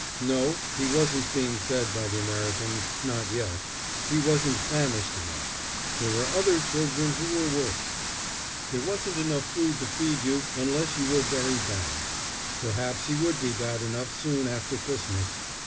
No, he wasn't being fed by the Americans—not yet. He wasn't famished enough; there were other children who were worse. There wasn't enough food to feed you unless you were very bad. Perhaps he would be bad enough soon after Christmas.